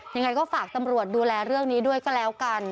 ยังไงก็ฝากตำรวจดูแลเรื่องนี้ด้วยก็แล้วกัน